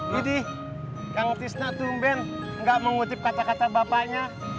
gini kang tisnak tumben nggak mengutip kata kata bapaknya